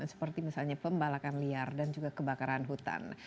seperti misalnya pembalakan liar dan juga kebakaran hutan